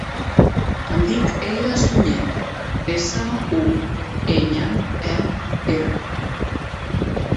Em dic Eira Suñer: essa, u, enya, e, erra.